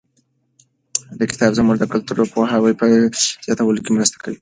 دا کتاب زموږ د کلتوري پوهاوي په زیاتولو کې مرسته کوي.